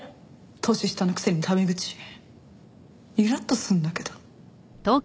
年下のくせにタメ口イラッとすんだけど。